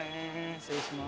失礼します。